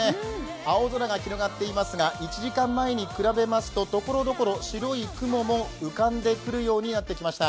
青空が広がっていますが、１時間前に比べますとところどころ白い雲も浮かんでくるようになってきました。